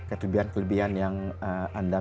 kelebihan kelebihan yang anda